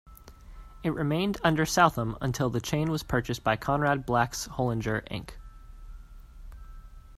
It remained under Southam until the chain was purchased by Conrad Black's Hollinger Inc..